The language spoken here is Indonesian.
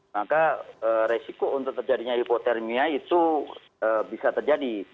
maka resiko untuk terjadinya hipotermia itu bisa terjadi